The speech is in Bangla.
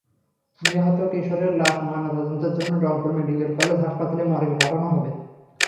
নিহত কিশোরের লাশ ময়নাতদন্তের জন্য রংপুর মেডিকেল কলেজ হাসপাতালের মর্গে পাঠানো হবে।